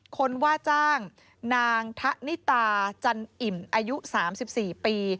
คนว่าจ้างนางทะนิตาจันอิ่มอายุ๓๔ปี